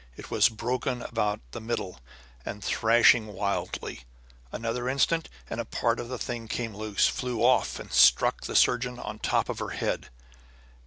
It was broken about the middle and thrashing wildly. Another instant, and a part of the thing came loose, flew off, and struck the surgeon on the top of her head.